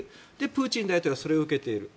プーチン大統領はそれを受けている。